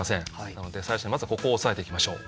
なので最初まずここを押さえていきましょう。